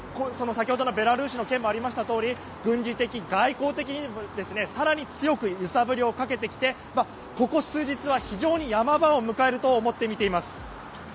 先ほどのベラルーシの件もありましたように軍事的、外交的に更に強く揺さぶりをかけてきてここ数日は非常に山場を迎えると思って見ています。